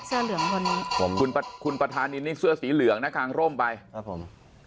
เสื้อเหลืองคนนี้ผมคุณประธานินนี่เสื้อสีเหลืองนะคางร่มไปครับผม